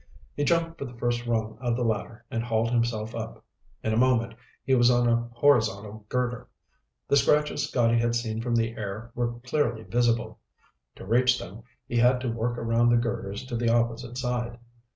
He jumped for the first rung of the ladder and hauled himself up. In a moment he was on the horizontal girder. The scratches Scotty had seen from the air were clearly visible. To reach them, he had to work around the girders to the opposite side.